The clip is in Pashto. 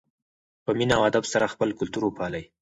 په مینه او ادب سره خپل کلتور وپالئ.